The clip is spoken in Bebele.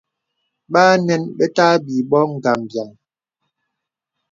Bà ànəŋ be tà àbī bô ngambīaŋ.